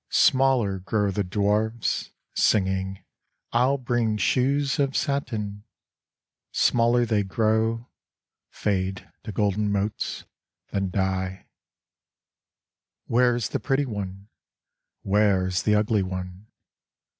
6 Smaller grow the dwarves, singing " I'll bring shoes of satin," Smaller they grow, fade to golden motes, then die — Where is the pretty one ? Where is the ugly one?